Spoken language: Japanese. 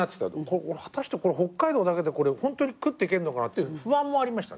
果たして北海道だけでホントに食ってけるのかなって不安もありましたね。